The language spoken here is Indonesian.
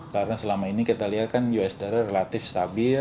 karena selama ini kita lihat kan usd relatif stabil